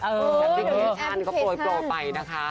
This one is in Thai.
แอปพลิเคชันก็โปรยไปนะคะ